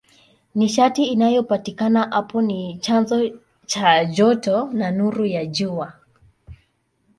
Nishati inayopatikana hapo ni chanzo cha joto na nuru ya Jua.